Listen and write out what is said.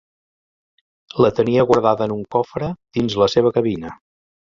La tenia guardada en un cofre dins la seva cabina.